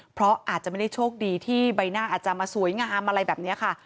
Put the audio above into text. เพราะอาจจะไม่ได้โชคดีที่ใบหน้าอาจจะมาสวยงามอะไรแบบนี้ค่ะ